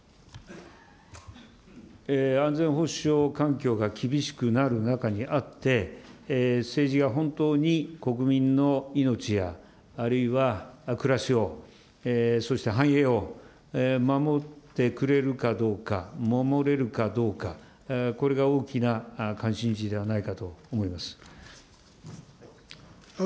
安全保障環境が厳しくなる中にあって、政治が本当に国民の命やあるいは暮らしを、そして繁栄を守ってくれるかどうか、守れるかどうか、これが大きな関心事ではないかと思います。